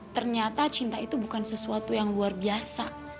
ternyata cinta itu bukan sesuatu yang luar biasa